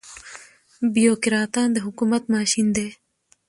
بيوکراتان د حکومت ماشين دي.